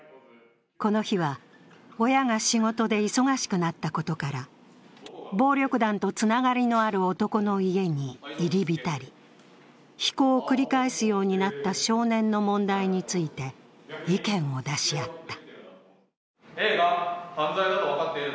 この日は、親が仕事で忙しくなったことから暴力団とつながりのある男の家に入り浸り、非行を繰り返すようになった少年の問題について意見を出し合った。